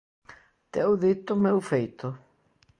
Teu dito, meu feito.